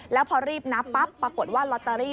แล้วพอรีบนับปั๊บปรากฏว่าลอตเตอรี่